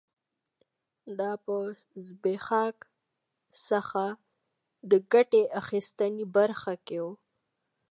دا په زبېښاک څخه د ګټې اخیستنې برخه کې و